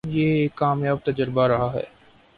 یہ ایک کامیاب تجربہ رہا ہے۔